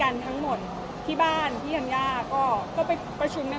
เอาน้ำตาออกมาสิ